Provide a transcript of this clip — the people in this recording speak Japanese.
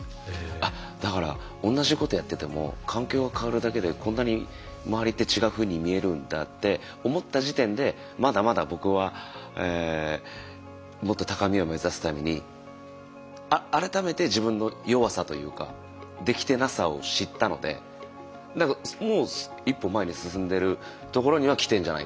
あっだから同じことやってても環境が変わるだけでこんなに周りって違うふうに見えるんだって思った時点でまだまだ僕はもっと高みを目指すために改めて自分の弱さというかできてなさを知ったので何かもう一歩前に進んでるところには来てんじゃないかなっていう。